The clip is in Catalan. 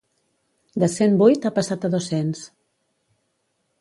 De cent vuit ha passat a dos-cents.